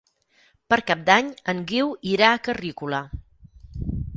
Per Cap d'Any en Guiu irà a Carrícola.